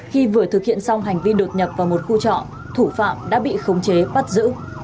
khi vừa thực hiện xong hành vi đột nhập vào một khu trọ thủ phạm đã bị khống chế bắt giữ